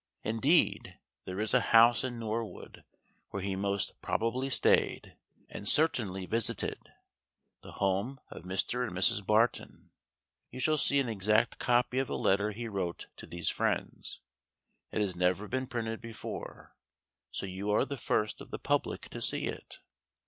Indeed, there is a house in Norwood where he most probably stayed, and certainly visited; the home of Mr. and Mrs. Barton. You shall see an exact copy of a letter he wrote to these friends. It has never been printed before, so you are the first of the public to see it.